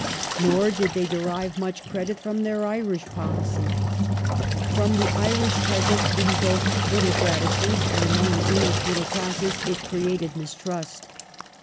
Nor did they derive much credit from their Irish policy. From the Irish peasant it evoked little gi'atitude, and among the English middle classes it created mistrust.